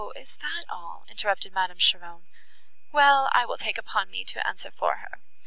is that all?" interrupted Madame Cheron. "Well, I will take upon me to answer for her.